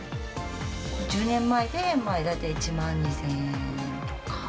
１０年前で大体１万２０００円とか。